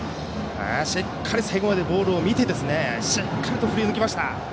しっかり最後までボールを見て振り抜きました。